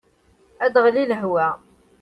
Ad aɣli lehwa.